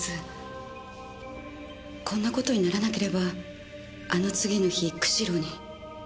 こんな事にならなければあの次の日釧路に。